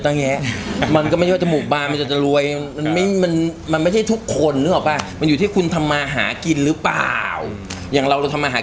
โดยรวมก็ประมาณ๓ชั่วโมงกว่า